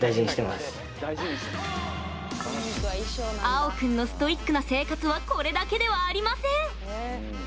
あお君のストイックな生活はこれだけではありません。